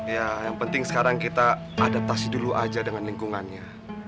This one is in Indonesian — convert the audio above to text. ya yang penting sekarang kita adaptasi dulu aja dengan lingkungannya